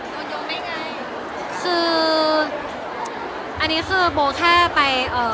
ดูยกได้ไงอันนี้คือบ่าแค่ไปเอ่อ